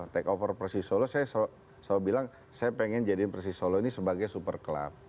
take over persisolo saya selalu bilang saya pengen jadiin persisolo ini sebagai super klub